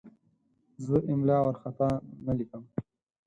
زه املا وارخطا نه لیکم.